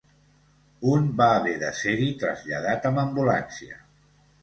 Un va haver de ser-hi traslladat amb ambulància.